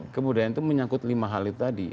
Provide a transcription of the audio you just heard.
kebudayaan itu menyangkut lima hal itu tadi